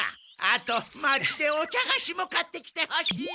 あと町でお茶がしも買ってきてほしい。